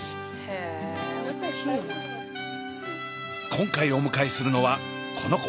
今回お迎えするのはこの子。